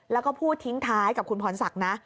แล้วก็พูดทิ้งท้ายกับคุณพรศักดิ์นะ